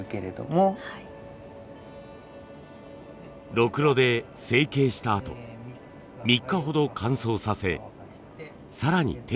ろくろで成形したあと３日ほど乾燥させ更に手を加えます。